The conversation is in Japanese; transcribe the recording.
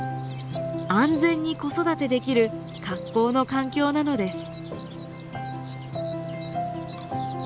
安全に子育てできる格好の環境なのです。